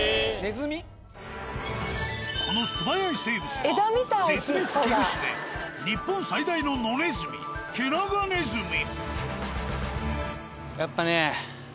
この素早い生物は絶滅危惧種で日本最大の野ネズミケナガネズミ。